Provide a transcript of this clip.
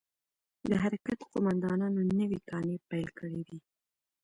د حرکت قومندانانو نوې کانې پيل کړې وې.